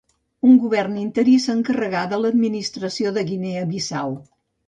Un govern interí s'encarregà de l'administració de Guinea Bissau.